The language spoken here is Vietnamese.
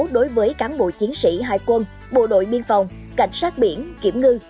đối với cán bộ chiến sĩ hải quân bộ đội biên phòng cảnh sát biển kiểm ngư